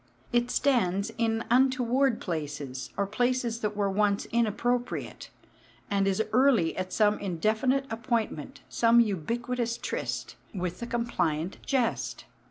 It stands in untoward places, or places that were once inappropriate, and is early at some indefinite appointment, some ubiquitous tryst, with the compliant jest.